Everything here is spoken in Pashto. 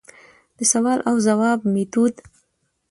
دسوال او ځواب ميتود: